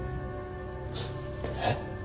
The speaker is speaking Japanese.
えっ？